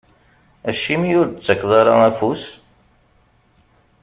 Acimi ur d-tettakeḍ ara afus?